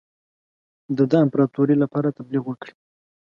د ده د امپراطوری لپاره تبلیغ وکړي.